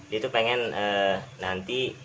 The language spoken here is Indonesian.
dia itu pengen nanti